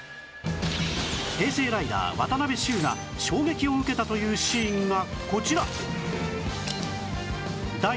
平成ライダー渡部秀が衝撃を受けたというシーンがこちら！